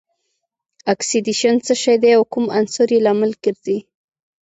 اکسیدیشن څه شی دی او کوم عنصر یې لامل ګرځي؟